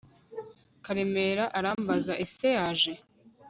karemera arambaza ese yaje